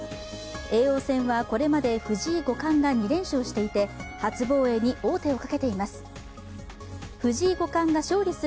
王戦は、これまで藤井五冠が２連勝していて初防衛に王手をかけています。